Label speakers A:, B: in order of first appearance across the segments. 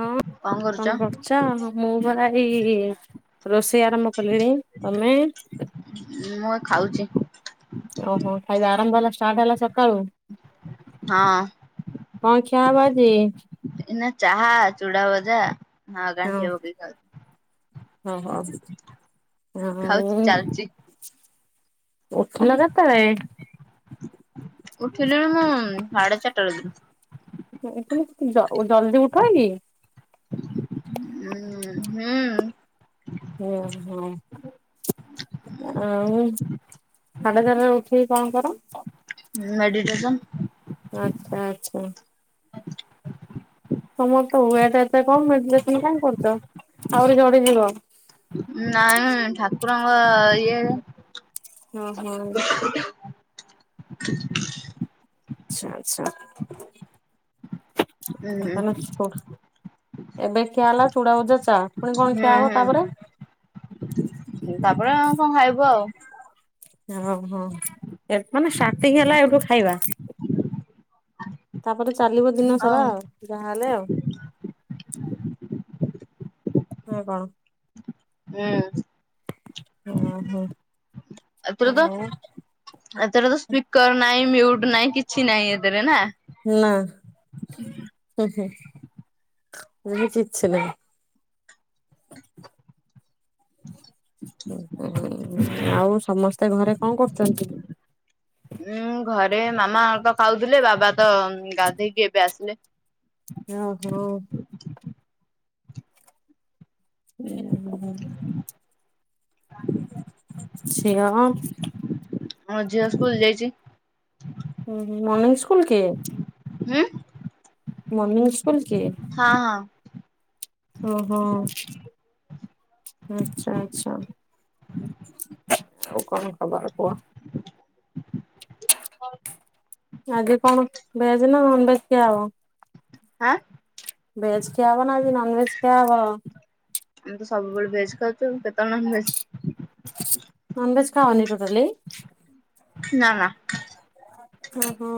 A: ଆଉ କଣ କରୁଛ ମୁଁ ପରା ଏଇ ରୋଷେଇ ଆରମ୍ଭ କଲିଣି ତମେ?
B: ମୁଁ ଖାଉଛି।
A: ଓହୋ ଖାଇବା ଆରମ୍ଭ ହେଲା ଷ୍ଟାର୍ଟ ହେଲା ସକାଳୁ।
B: ହଁ।
A: କଣ ଖିଆ ହେବ ଆଜି?
B: ଏଇନା ଚାହା ଚୁଡ଼ା ଭଜା। ଆଉ
A: ହଁ
B: ଗାଣ୍ଠିଆ ପକେଇକିି
A: ଓହୋ ଆଉ
B: ଖାଉଚି ଖାଉଛି ଚାଲ୍‌ଚି।
A: ଉଠିଲ କେତେବେଳେ?
B: ଉଠିଲିଣି ମୁଁ ସାଢେ ଚାରଟା ରାତିରୁ।
A: ଜ ଜଲଦି ଉଠ କି?
B: ଉଁ ହୁଁ।
A: ଓ ହୋ। ଆଉ ସାଢେ ଚାରଟା ରେ ଉଠିକି କଣ କର?
B: ଉଁ ମେଡିଟେସନ୍।
A: ଆଚ୍ଛା ଆଛା। ତମର ତ ୱେଟ୍ ଏତେ କମ୍ ମେଡିଟେସନ କାଇଁ କରୁଛ ଆହୁରି ଝଡିଯିବ।
B: ନାଇଁ ଠାକୁରଙ୍କ ଇଏ
A: ହଁ ହଁ।
B: [inaudible]
A: ଆଛା
B: ହୁଁ
A: ଆଚ୍ଛା। ଏବେ ଖିଆ ହେଲା ଚୁଡା ଭଜା ଚା ପୁଣି କଣ ଖିଆ ହବ
B: ହୁଁ
A: ତାପରେ?
B: ତାପରେ ଆଉ କଣ ଖାଇବୁ ଆଉ
A: ଓହୋ ମାନେ ଷ୍ଟାଟିଙ୍ଗ ହେଲା ଏଇଠୁ ଖାଇବା। ତାପରେ ଚାଲିବ ଦିନ ସାରା ଆଉ ଯାହା ହେଲେ ଆଉ ନା କଣ?
B: ହୁଁ।
A: ଓହୋ ହଉ।
B: ଏଥର ତ ସ୍ପିକର ନାହିଁ ମ୍ୟୁଟ ନାହିଁ କିଛି ନାହିଁ ଏଥିରେ ନା
A: ନା ହୁଁ ହୁଁ କିଛି ନାହିଁ। ଆଉ ସମସ୍ତେ ଘରେ କଣ କରୁଛନ୍ତି?
B: ଉଁ ଘରେ ମାମା ତ ଖାଉଥିଲେ ବାବା ତ ଗାଧେଇକି ଏବେ ଆସିଲେ।
A: [inaudible] ହୁଁ ହୁଁ। ଝିଅ।
B: ହଁ ଝିଅ ସ୍କୁଲ ଯାଇଛି।
A: ହୁଁ ମର୍ଣିିଂ ସ୍କୁଲ କି?
B: ହୁଁ।
A: ମର୍ଣିିଂ ସ୍କୁଲ କି
B: ହଁ ହଁ
A: ଅହ। ଆଛା ଆଛା ଆଉ କଣ ଖବର କୁହ?
B: ହ [inaudible]
A: ଆଜି କଣ ଭେଜ ନା ନନଭେଜ ଖିଆ ହବ?
B: ହାଁ
A: ଭେଜ ଖିଆ ହବ ନା ଆଜି ନନଭେଜ ଖିଆ ହବ?
B: ଆମେ ତ ସବୁବେଳେ ଭେଜ ଖାଉଛୁ କେତେବେଳେ ନନ ଭେଜ୍
A: ନନଭେଜ୍ ଖାଅନି ଟୋଟଲି?
B: ନା।
A: ଓହୋ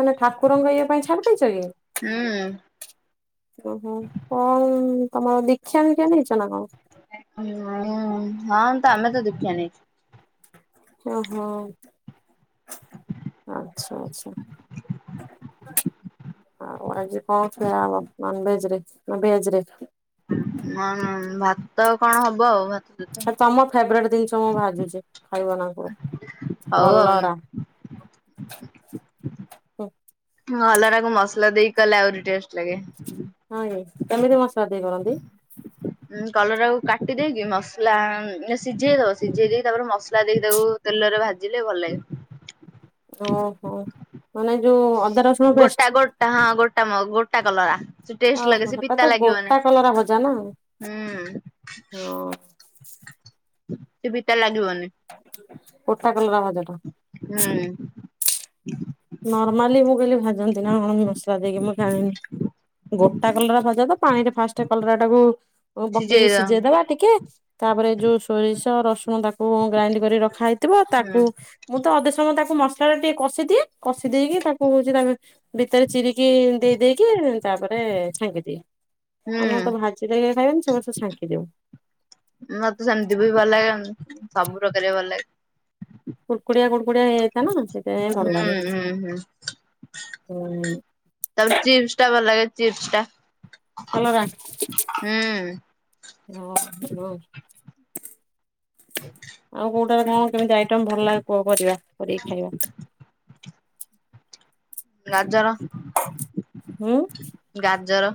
A: ମାନେ ଠାକୁରଙ୍କ ଇଏ ପାଇଁ ଛାଡି ଦେଇଛ କି?
B: ହୁଁ।
A: ଓହୋ କଣ ତମର ଦୀକ୍ଷା ପିକ୍ଷା ନେଇଛ ନା କଣ?
B: ହଁ ତ ଆମେ ତ ଦୀକ୍ଷା ନେଇଛୁ।
A: ଓ ହୋ। ଆଚ୍ଛା ଆଚ୍ଛା। ଆଉ ଆଜି କଣ ଖିଆ ହେବ ନନଭେଜରେ ନା ଭେଜରେ?
B: ହ ଭାତ କଣ ହବ ଆଉ ଭା
A: ଆ ତମ ଫେବରଟ ଜିନିଷ ମୁଁ ଭାଜୁଛି ଖାଇବନା କଣ
B: ହଉ ଆଉ
A: କଲରା। ହୁଁ,
B: ଅଲରାକୁ ମସଲା ଦେଇକି କଲେ ଆହୁରି ଟେଷ୍ଟ ଲାଗେ।
A: ହଁ ଏ କେମିତି ମସଲା ଦେଇ କରନ୍ତି?
B: ହଁ କଲରାକୁ କାଟି ଦେଇକି ମସଲା ସିଝେଇ ଦବ ସିଝେଇ ଦେଇ ତାପରେ ମସଲା ଦେଇ ତାକୁ ତେଲରେ ଭାଜିଲେ ଭଲ ଲାଗେ।
A: ଓହୋ। ମାନେ ଯୋଉ ଅଦା ରସୁଣ ପେଷ୍ଟ
B: ଗୋଟା ଗୋଟା ହଁ ଗୋଟା ଗୋଟା କଲରା। ଟେଷ୍ଟ
A: ଓହୋ
B: ଲାଗେ ସେ
A: ସେଟା ତ
B: ପିତା
A: ଗୋଟା
B: ଲାଗିବନି
A: କଲରା ଭଜା ନା ହଁ।
B: ହୁଁ। ସେ ପିତା ଲାଗିବନି।
A: ଗୋଟା କଲରା ଭଜାଟା।
B: ହୁଁ।
A: ନର୍ମାଲି ମୁଁ କହିଲି ଭାଜନ୍ତି ନା କଣ ମସଲା ଦେଇକି ମୁଁ ଜାଣିନି? ଗୋଟା କଲରା ଭଜା ତ ପାଣିରେ ଫାଷ୍ଟ କଲରାଟାକୁ ହଁ ପକେଇକି ସିଝେଇ ଦବା ଟିକେ ତାପରେ ଯୋଉ ସୋରିଷ ରସୁଣ ତାକୁ ଗ୍ରାଇଣ୍ଡି କରି ରଖା ହେଇଥିବ
B: ହୁଁ
A: ତାକୁ ମୁଁ ତ ଅଧେ ସମୟ ତାକୁ ମସଲା ଟା ଟିକେ କଷିଦିଏ। କଷି ଦେଇକି ତାକୁ ହୋଉଚି ତା ଭିତରେ ଚିରିକି ଦେଇ ଦେଇକି ତାପରେ ଛାଙ୍କିଦିଏ ଆମର
B: ହୁଁ।
A: ତ ଭାଜିଲେ କେହି ଖାଇବନି ସମସ୍ତେ ଛାଙ୍କିଦେଉ।
B: ମତେ ସେମିତି ବି ଭଲ ଲାଗେ ସବୁ [unintelligible] ଭଲ ଲାଗେ।
A: କୁଡ଼କୁଡିଆ କୁଡକୁଡିଆ ହେଇଯାଇଥାଏ ନା ସେଇଥିପାଇଁ ଭଲ
B: ହୁଁ
A: ଲାଗେ
B: ହୁଁ ହୁଁ
A: ହୁଁ।
B: ତା [unintelligible] ଚିପ୍ସ ଟା ଭଲ ଲାଗେ ଚିପ୍ସ ଟା।
A: କଲରା
B: ହୁଁ।
A: ହଁ [unintelligible]
B: [inaudible]
A: ଆଉ କୋଉଟାର କଣ କେମିତି ଆଇଟମ ଭଲ ଲାଗେ କୁହ କରିବା କରିକି ଖାଇବା।
B: ଗାଜର
A: ହୁଁ
B: ଗାଜର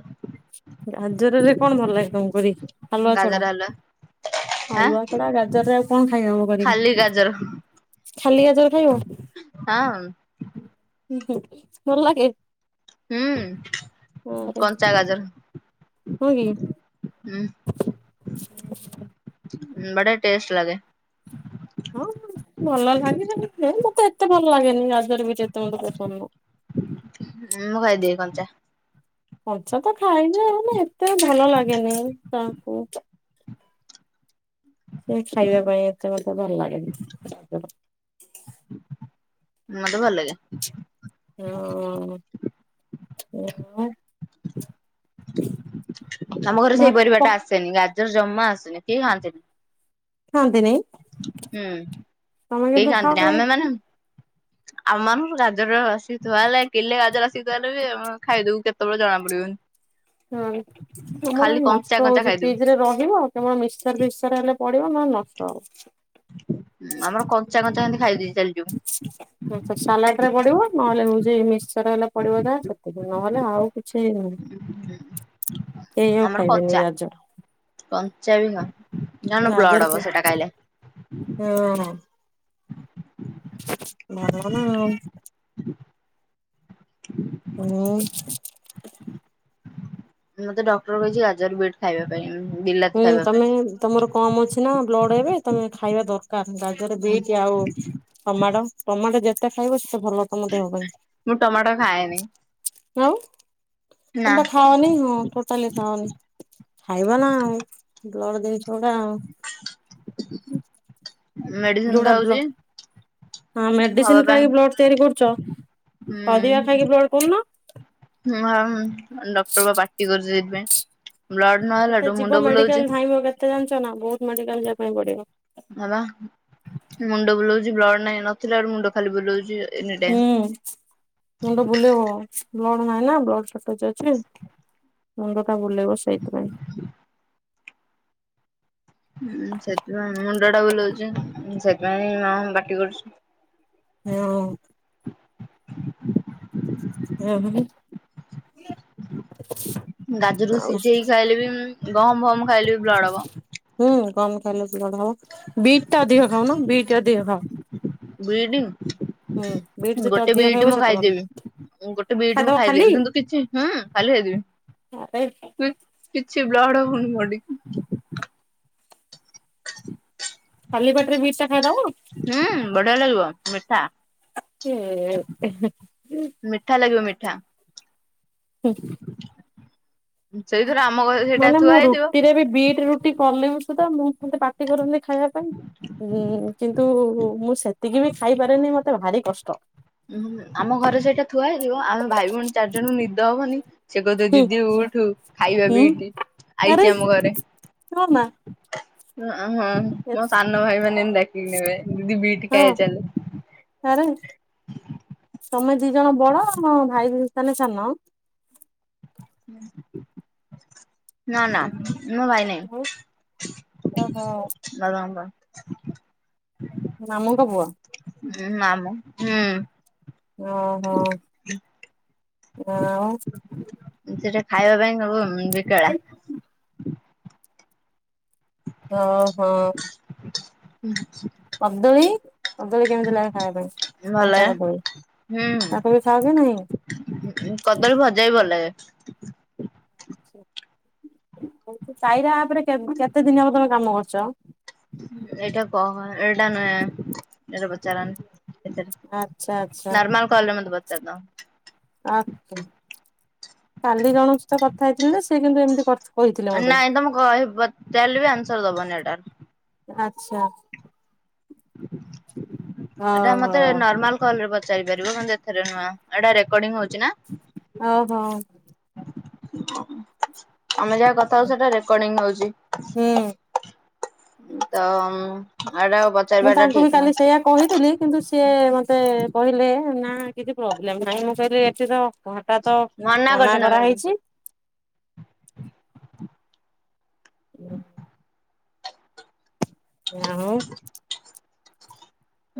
A: ଗାଜରରେ କଣ ଭଲ ଲାଗେ ତମକୁ କରିକି ହାଲୁଆ ଛଡା?
B: ଗାଜର ହାଲୁଆ ଆଁ
A: ହାଲୁଆ ଛଡା ଗାଜରରେ ଆଉ କଣ ଖାଇ ହବ କରିକି
B: ଖାଲି ଗାଜର
A: ଖାଲି ଗାଜର ଖାଇବ।
B: [unintelligible]
A: ହୁଁ ହୁଁ ଭଲ ଲାଗେ।
B: ହୁଁ
A: ଆରେ
B: କଞ୍ଚା ଗାଜର
A: ହଁ କି।
B: ହୁଁ ଉଁ ବଢ଼ିଆ ଟେଷ୍ଟ ଲାଗେ।
A: ହଁ ଭଲ ଲାଗେ [unintelligible] ମତେ ଏତେ ଭଲ ଲାଗେନି ଗାଜର ବିଟ୍ ଏତେ ମତେ ପସନ୍ଦ ନୁହଁ।
B: ମୁଁ ଖାଇଦିଏ କଞ୍ଚା।
A: କଞ୍ଚା ତ ଖାଏ ଯେ ମାନେ ଏତେ ଭଲ ଲାଗେନି [unintelligible] ସେ ଖାଇବା ପାଇଁ ଏତେ ମତେ ଭଲ ଲାଗେନି [unintelligible]
B: ମତେ ଭଲ ଲାଗେ।
A: [unintelligible]
B: ଆମ ଘରେ ସେଇ
A: ଭାତ
B: ପରିବା ଟା ଆସ ସେନି ଗାଜର ଜମା ଆସୁନି କେହି ଖାଆନ୍ତିନି।
A: ଖାଆନ୍ତି [unintelligible]
B: ହୁଁ କେହି
A: ଖାଅ
B: ଖାଆନ୍ତିନି
A: କାଇଁ
B: ଆମେ ମାନେ ଆମମାନଙ୍କୁ ଗାଜର ଆସି ଥୁଆ ହେଲେ କିଲେ ଗାଜର ଆସି ଥୁଆ ହେଲେ ବି ଆମେ ଖାଇଦୋବୁ କେ ତୋବୋଳେ ଜଣା ପଡିବନି।
A: ହୁଁ ଆମର
B: ଖାଲି
A: [unintelligible]
B: କଞ୍ଚା
A: ନଷ୍ଟ
B: କଞ୍ଚା
A: ହୋଉଚି
B: ଖାଇଦବୁ
A: ଫ୍ରିଜ ରେ ରହିବ। କେବଳ ମିକ୍ସଚର୍ ଫିକ୍ସଚର୍ ହେଲେ ପଡିବ ନହେଲେ ନଷ୍ଟ ହବ।
B: ଆମର କଞ୍ଚା କଞ୍ଚା ହେନ୍ତି ଖାଇଦେଇ ଚାଲି [unintelligible]
A: ହଁ ତ ସାଲାଟ୍ ରେ ପଡିବ ନହେଲେ ହୋଉଚି ମିକ୍ସଚର୍ ହେଲେ ପଡିବ ଯାହା ସେ ତିକି ନହେଲେ ଆଉ କିଛି କେହି ଆଉ
B: ଆମର
A: ଖାଇବେନି
B: କଞ୍ଚା
A: ଗାଜର
B: କଞ୍ଚା ବି ଖାଉ। [unintelligible] ବ୍ଲଡ଼
A: ଗାଜର
B: ହବ ସେଟା ଖାଇଲେ।
A: ହଁ। ଭଲ ନା ଆଉ। [unintelligible]
B: ମତେ ଡକ୍ଟର କହିଚି ଗାଜର ବିଟ୍ ଖାଇବା ପାଇଁ ଉଁ ବିଲା
A: ହୁଁ ତମେ ତମର କମ୍ ଅଛି ନା ବ୍ଲଡ ଏବେ ତମେ ଖାଇବା ଦର କାର ଗାଜର
B: ହୁଁ
A: ବିଟ୍ ଆଉ ଟମାଟ ଟମାଟ ଯେତେ ଖାଇବ ସେତେ ଭଲ ତମ ଦେହ ପାଇଁ।
B: ମୁଁ ଟମାଟ ଖାଏନି।
A: ଆଉ ତମେ
B: ନା
A: ପା ଖାଅନି ହଁ ଟୋ ଟାଲି ଖାଅନି ଖାଇବ ନା ଆଉ ବ୍ଲଡ଼ [unintelligible] ଗୁଡା ଆଉ।
B: ମେଡିସିନ ଖାଉଚି
A: ହଁ ମେଡିସିନ୍ ଖାଇକି ବ୍ଲଡ ତିଆରି କରୁଛ ପରିବା
B: ହୁଁ
A: ଖାଇକି ବ୍ଲଡ଼ କରୁନ।
B: ଡକ୍ଟର ବା ପାଟି କରିଚି ସେଇଥିପାଇଁ। ବ୍ଲଡ଼ ନହେଲାଠୁ ମୁଣ୍ଡ ବୁଲଉଛି।
A: ଏତେ ଜାଣିଛ ନା ବହୁତ ମେଡିକାଲ ଯିବା ପାଇଁ ପଡ଼ିବ
B: ହଁ ବା ମୁଣ୍ଡ ବୁଲୋଉଛି ବ୍ଲଡ ନାଇଁ ନଥିଲା ଆରୁ ମୁଣ୍ଡ ଖାଲି ବୁଲଉଛି। ଏନି
A: ହୁଁ
B: ଟାଇମ
A: ମୁଣ୍ଡ ବୁଲେଇବ ବ୍ଲଡ଼ ନାଇଁ ନା ବ୍ଲଡ଼ ସଟେଜ୍ ଅ ଛି ମୁଣ୍ଡଟା ବୁଲେଇବ ସେଇଥିପାଇଁ
B: ହଁ ସେଥିପାଇଁ ମୁଣ୍ଡ ଟା ବୁଲଉଛି ସେଥିପାଇଁ ମା ପାଟି କରୁଛି।
A: ହଁ। ହୁଁ ହୁଁ।
B: ଗାଜର କୁ ସିଝେଇକି ଖାଇଲେ ବି ଗହମ ଫମ ଖାଇଲେ ବି ବ୍ଲଡ଼ ହବ
A: ହୁଁ ଗହମ ଖାଇଲେ ବ୍ଲଡ଼ ହବ ବିଟ୍ ଟା ଅଧିକ ଖାଉନ ବିଟ୍ ଅଧିକ ଖାଅ
B: ବିଟ୍
A: ହୁଁ ବିଟ୍ ଯେତେ
B: ଗୋଟେ
A: ଅଧିକ
B: ବିଟ୍
A: ଖାଇବ
B: ମୁଁ
A: ସେତେ ଭଲ।
B: ଖାଇଦେବି ଗୋଟେ ବିଟ୍ ମୁଁ
A: ଖାଇଦବ ଖାଲି
B: ଖାଇଦେବି କିନ୍ତୁ କିଛି ହୁଁ ଖାଲି ଖାଇ ଦେବି
A: ଆରେ
B: ହୁଁ କିଛି ବ୍ଲଡ଼ ହଉନି ବଡିକି [inaudible]
A: ଖାଲି ପାଟିରେ ବିଟ୍ ଟା ଖାଇଦବ?
B: ହୁଁ ବଢ଼ିଆ ଲାଗିବ ମିଠା
A: [unintelligible]
B: ମିଠା ଲାଗିବ ମିଠା
A: ହୁଁ।
B: [inaudible] ସେଇଥିରେ ଆମ ଘରେ ସେଇଟା
A: ମାନେ
B: ଥୁଆ
A: ମୁଁ
B: ହେଇଥିବ।
A: ରୁଟିରେ ବି ବିଟ୍ ରୁଟି କଲେ ବି ସୁଧା ମୁଁ କେତେ ପାଟି କରନ୍ତି ଖାଇବା ପାଇଁ ହୁଁ କିନ୍ତୁ ମୁଁ ସେତିକି ବି ଖାଇପାରେନି ମତେ ଭାରି କଷ୍ଟ।
B: ଆମ ଘରେ ସେଇଟା ଥୁଆ ହେଇଥିବ ଆମ ଭାଇ ଭଉଣୀ ଚାରିଜଣଙ୍କୁ ନିଦ ହବନି ସେ କହୁଥିବ
A: ହୁଁ
B: ଦିଦି ଉଠୁ ଖାଇବା
A: ହୁଁ
B: ବିଟ୍
A: ଆରେ
B: ଆଇଚି ଆମ ଘରେ
A: ହଁ ମା
B: ଅଁ ହଁ ମୋ ସାନ ଭାଇ ମାନେ ଏମ ଡାକିକି ନେବେ ଦିଦି ବିଟ୍
A: ହଁ
B: ଖାଇବା ଚାଲ
A: [unintelligible] ତମେ ଦି ଜଣ ବଡ଼ ଭାଇ ତାହାନେ ସାନ
B: ହୁଁ। ନା ନା ମୋ ଭାଇ ନାହିଁ
A: ଓହୋ
B: ଦାଦା ଙ୍କ ପୁଅ।
A: ମାମୁଁ ଙ୍କ ପୁଅ
B: ହୁଁ ମାମୁ ହୁଁ
A: ଓହୋ ଆଉ
B: ସେ ଟିକେ ଖାଇବା ପାଇଁ ସବୁ ବିକେଳା
A: ହଁ ହଁ।
B: [inaudible]
A: କଦଳୀ କଦଳୀ କେମିତି ଲାଗେ ଖାଇବା ପାଇଁ
B: ଭଲ
A: କଞ୍ଚା
B: ଲାଗେ।
A: କଦଳୀ
B: ହୁଁ
A: ତାକୁ ବି ଖାଅକି ନାଇ
B: କଦଳୀ ଭଜା ବି ଭଲ ଲାଗେ।
A: କାଇରା ଆପ୍ ରେ କେତ କେତେ ଦିନ ହବ ତମେ କାମ କରୁଛ?
B: ଏଇଟା କହ ଏଇଟା ନୁହଁ ଏଟା ପଚାରନି।
A: ଆଚ୍ଛା ଆଚ୍ଛା।
B: ନର୍ମାଲ କଲ୍ ରେ ମତେ ପଚାରିଦବ।
A: ଆ କାଲି ଜଣଙ୍କ ସହିତ କଥା ହେଇଥିଲେ ସେ କିନ୍ତୁ ଏମିତି କଥ
B: ନାଇଁ ତମେ ଘ ପଚାରିଲେ ବି ଆନ୍ସାର୍ ଦବନି ହେଟା
A: ଆଚ୍ଛା।
B: ଏଟା
A: ଓହୋ
B: ମତେ ନର୍ମାଲ କଲ୍ ରେ ପଚାରି ପାରିବ କିନ୍ତୁ ଏଥିରେ ନୁହଁ ଏଟା ରେକଡିଙ୍ଗ୍ ହଉଛି ନା
A: ହଉ ହଉ
B: ଆମେ ଯାହା କଥା ହଉଛେ ସେଟା ରେକର୍ଡିଙ୍ଗ୍ ହଉଛି।
A: ହୁଁ।
B: ତ ଆର ବ
A: ମୁଁ ତାଙ୍କୁ ବି କାଲି ସେୟା କହିଥିଲି କିନ୍ତୁ ସେ ସିଏ ମତେ କହିଲେ ନା କିଛି ପ୍ରୋବ୍ଲେମ ନାହିଁ ମୁଁ କହିଲି ଏଠି ତ ଘଣ୍ଟା ତ ମନା
B: କରିଛନ୍ତି ଆମକୁ।
A: କରାହେଇଛି।
B: [unintelligible]
A: ନାଉ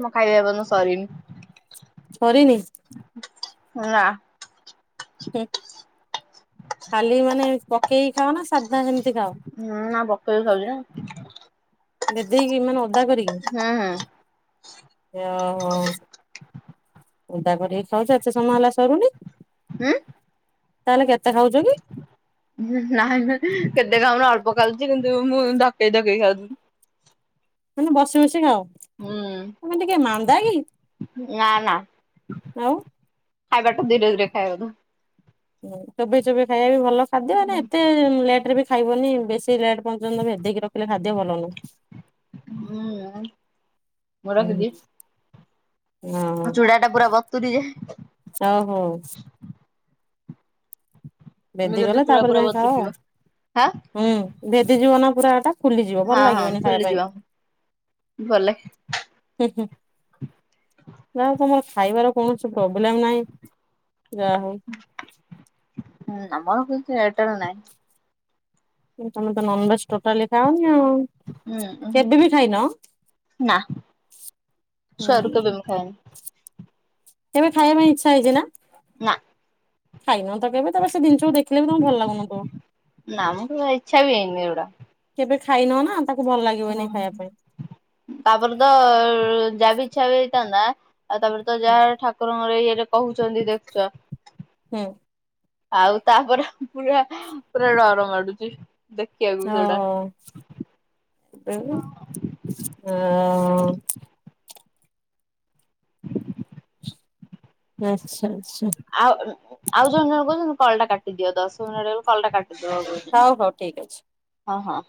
B: ମୋ ଖାଇବା ଏପନ୍ତ ସରିନି।
A: ଛରିନି
B: ନା।
A: ଖାଲି ମାନେ ପକେଇକି ଖାଅ ନା ସାଧା ସେମିତି ଖାଅ?
B: ହୁଁ ନା ପକେଇକି ଖାଉଚି ନା।
A: ବେଦେଇକି ମାନେ ଅଦା କରିକି।
B: ହୁଁ ହୁଁ
A: ଇଓହୋ ଓଦା କରିକି ଖାଉଛ ଏତେ ସମୟ ହେଲା ସରୁନି।
B: ଉଁ
A: ତାହେଲେ କେତେ ଖାଉଚ କି?
B: ହୁଁ ନାଇଁ କେତେ ଖାଉନି ଅଳ୍ପ ଖାଉଛି କିନ୍ତୁ ମୁଁ ଧକେଇ ଧକେଇ ଖାଉଚି।
A: ମାନେ ବସି ବସି ଖାଅ।
B: ହୁଁ
A: ତମେ ଟିକେ ମାନ୍ଦା କି
B: ନା ନା।
A: ଆଉ।
B: ଖାଇବାଟା ଧୀରେ ଧୀରେ ଖାଇବା କଥା।
A: ହୁ ଚୋବେଇ ଚୋବେଇ ଖାଇବା ବି ଭଲ ଖାଦ୍ୟ ହେଲେ ଏତେ ଲେଟ ରେ ବି ଖାଇବନି ବେଶୀ ଲେଟ ପର୍ଯ୍ୟନ୍ତ ଭେଦେଇକି ରଖିଲେ ଖାଦ୍ୟ ଭଲ ନୁଁ।
B: ହଁ ମୁଁ ରଖୁଚି। ଚୁଡା ଟା ପୁରା ବତୁୁରି ଯାଏ।
A: ଚ୍ଛା ହଉ।
B: ଏମିତି ଗୋଟେ
A: ଭେଦିଗଲେ
B: ଚୁଡା
A: ତାପରେ
B: ପୁରା
A: ଯାଇ ଖାଅ ଆଉ।
B: ବତୁରିଯିବ। ହଁ
A: ହୁଁ ଭେଦିଯିବ ନା ପୁରା ଏଟା ଫୁଲିଯିବ ଭଲ ଲାଗିବନି ଖାଇବା ପାଇଁ।
B: ଭାଲଲାଗେ।
A: ହୁ ହୁଁ ଯାହା ହଉ ତମର ଖାଇବାର କୌଣସି ପ୍ରୋବ୍ଲେମ ନାହିଁ ଯାହା ହଉ।
B: ହୁ ଆମର କିଛି ଏୟାରଟେଲ ନାହିଁ।
A: ତମେ ତ ନନଭେଜ ଟୋଟାଲି ଖାଅନି ଆଉ।
B: ହୁଁ
A: କେବେ ବି ଖାଇନ
B: ନା
A: ହୁଁ
B: ସରୁ କେବେ ମୁଁ ଖାଏନି।
A: କେବେ ଖାଇବା ପାଇଁ ଇଚ୍ଛା ହେଇଛି ନା?
B: ନା।
A: ଖାଇନହ ତ କେବେ ତାପରେ ସେ ଜିନିଷକୁ ଦେଖିଲେ ବି ତମକୁ ଭଲ ଲାଗୁନଥିବ।
B: ନାମ କେବେ ଇଚ୍ଛା ବି ହେଇନି ଏଗୁଡ଼ା।
A: କେବେ ଖାଇନ ନା ତାକୁ ଭଲ ଲାଗେ
B: ହଁ ତାପରେ ତ ଜାବି ଇଛା ବି ହେଇଥାନ୍ତା। ଆଉ ତାପରେ ତ ଯାହା ଏ ଠାକୁରଙ୍କର ଇଏରେ କହୁଛନ୍ତି ଦେଖୁଛ।
A: ହୁଁ
B: ଆଉ ତାପରେ ପୁରା ପୁରା ଡର ମାଡ଼ୁଚି।
A: ହଁ ହ [unintelligible]
B: ହ [inaudible]
A: ଆଛା ଆଚ୍ଛା
B: ଆଉ ଆଉ ଜଣେ ଜଣେ କହୁଛନ୍ତି କଲଟା କାଟିଦିଅ ଦଶ ମିନଟ ରଇବ କଲଟା କାଟି
A: ହଉ ହଉ ଠିକ ଅଛି।
B: [inaudible] ହଁ ହଁ